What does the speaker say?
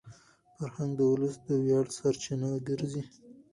فرهنګ د ولس د ویاړ سرچینه ګرځي.